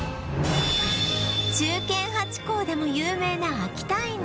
忠犬ハチ公でも有名な秋田犬